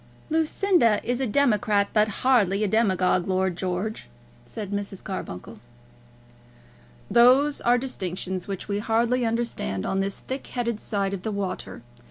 "Lucinda is a democrat, but hardly a demagogue, Lord George," said Mrs. Carbuncle. "Those are distinctions which we hardly understand on this thick headed side of the water.